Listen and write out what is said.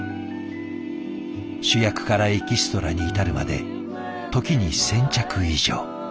主役からエキストラに至るまで時に１，０００着以上。